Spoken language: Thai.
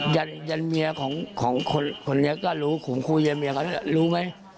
ยันมียของคนนี้ก็รู้คุมคุยยันมียแหละรู้ไม๊